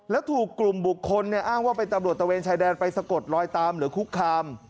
แล้วถูกกลุ่มบุคคลอ้างว่าเป็นตำรวจตะเวนชายแดนไปสะกดลอยตามหรือคุกคาม